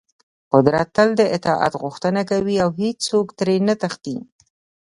قدرت تل د اطاعت غوښتنه کوي او هېڅوک ترې نه تښتي.